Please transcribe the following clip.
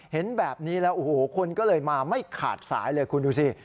เห็นแบบนี้แล้วโอ้โหคนก็เลยมาไม่ขาดสายเลยคุณดูสิ